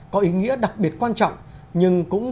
có ý nghĩa đặc biệt quan trọng